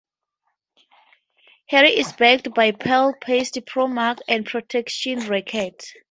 Harry is backed by Pearl, Paiste, Pro-Mark and Protection Racket.